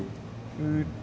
えっと